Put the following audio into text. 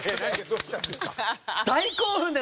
どうしたんですか？